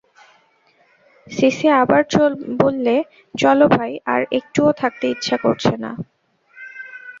CC আবার বললে, চলো ভাই, আর একটুও থাকতে ইচ্ছে করছে না।